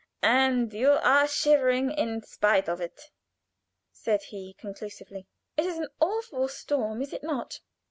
and you are shivering in spite of it," said he, conclusively. "It is an awful storm, is it not?"